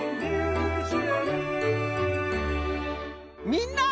みんな！